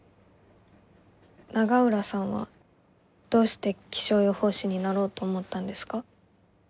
永浦さんはどうして気象予報士になろうと思ったんですか？